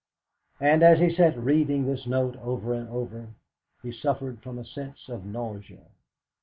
And as he sat reading this note over and over, he suffered from a sense of nausea.